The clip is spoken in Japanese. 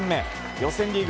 予選リーグ